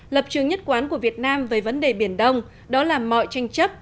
lập trường nhất quán của việt nam về vấn đề biển đông đó là mọi tranh chấp